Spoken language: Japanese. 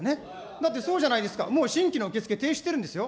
だってそうじゃないですか、もう新規の受け付け停止してるんですよ。